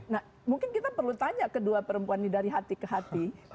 nah mungkin kita perlu tanya kedua perempuan ini dari hati ke hati